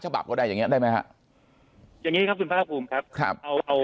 จะบัตรเขาได้อย่างนี้เลยไหมครับ